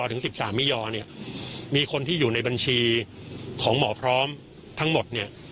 ถึง๑๓มิยอเนี่ยมีคนที่อยู่ในบัญชีของหมอพร้อมทั้งหมดเนี่ย